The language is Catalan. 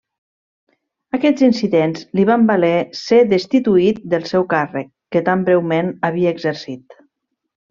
Aquests incidents li van valer ser destituït del seu càrrec, que tan breument havia exercit.